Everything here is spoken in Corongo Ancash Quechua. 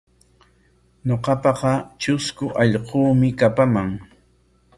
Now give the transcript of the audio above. Ñuqapaqa trusku allquumi kapaman.